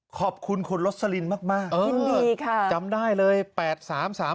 ขอบคุณคุณรสลินมากนะครับจำได้เลย๘๓๓๘นั่นแหละ